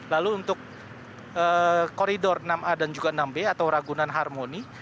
lalu untuk koridor enam a dan juga enam b atau ragunan harmoni